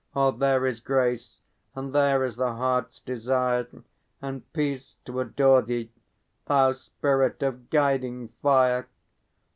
O there is Grace, and there is the Heart's Desire. And peace to adore thee, thou Spirit of Guiding Fire!